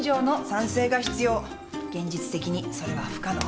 現実的にそれは不可能。